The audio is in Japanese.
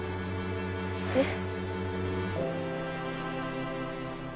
えっ？